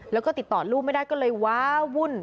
แล้วก็ติดต่อลูกไม่ได้ก็เลยว้าวุ่น